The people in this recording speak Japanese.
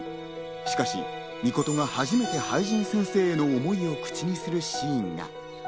しかし、扇言が初めて灰仁先生への思いを口にするシーンが。